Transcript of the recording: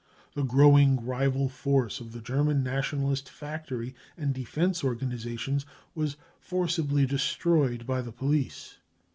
Th% growing rival force of the German Nationalist factory and defence organisations was forcibly destroyed by the police.